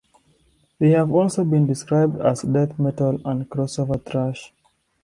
They have also been described as death metal and crossover thrash.